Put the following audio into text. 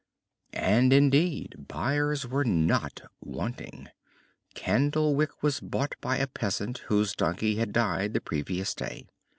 And indeed buyers were not wanting. Candlewick was bought by a peasant whose donkey had died the previous day.